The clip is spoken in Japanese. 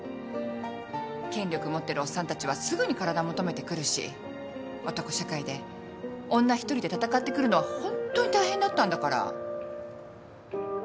権力持ってるおっさんたちはすぐに体求めてくるし男社会で女一人で闘ってくるのはホントに大変だったんだから。